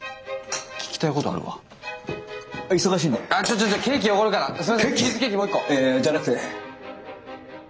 いやじゃなくて。